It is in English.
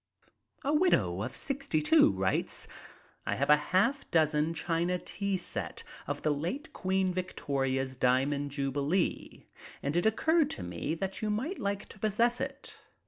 A widow of 62 writes: "I have a half dozen china tea set of the late Queen Victoria's diamond jubilee, and it occurred to me that you might like to possess it.